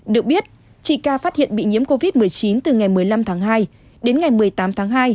được biết chị ca phát hiện bị nhiễm covid một mươi chín từ ngày một mươi năm tháng hai đến ngày một mươi tám tháng hai